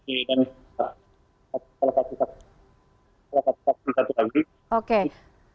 itu bisa terangkat